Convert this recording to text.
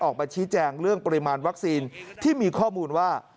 ออกมาชี้แจงเรื่องปริมาณวัคซีนที่มีข้อมูลว่า